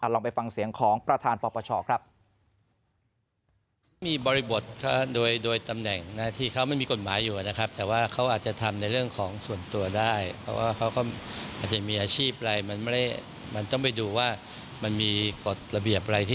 ลองไปฟังเสียงของประธานปปชครับ